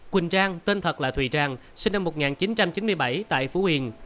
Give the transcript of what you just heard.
quỳnh trang tên thật là thùy trang sinh năm một nghìn chín trăm chín mươi bảy tại phú yên